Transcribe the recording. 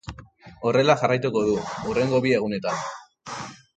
Horrela jarraituko du hurrengo bi egunetan.